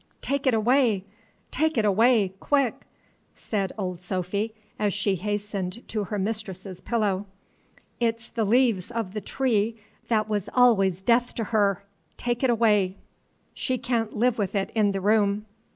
"Take it away! take it away! quick!" said Old Sophy, as she hastened to her mistress's pillow. "It 's the leaves of the tree that was always death to her, take it away! She can't live wi' it in the room!"